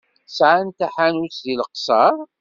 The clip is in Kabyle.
Sɛan taḥanut deg Leqṣeṛ?